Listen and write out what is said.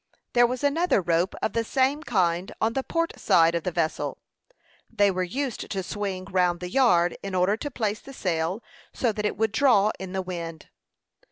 There was another rope of the same kind on the port side of the vessel. They were used to swing round the yard, in order to place the sail so that it would draw in the wind.